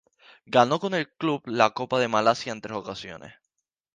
Ganó con el club la Copa de Malasia en tres ocasiones.